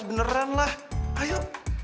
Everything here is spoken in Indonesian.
gue serang aja kau